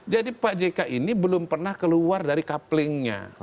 jadi pak jk ini belum pernah keluar dari couplingnya